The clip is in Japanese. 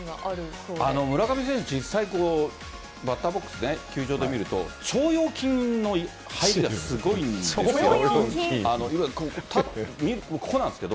実際、バッターボックスで球場で見ると腸腰筋の入りがすごいんです。